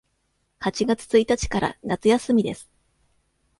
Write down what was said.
八月一日から夏休みです。